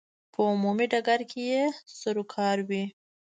په عمومي ډګر کې یې سروکار وي.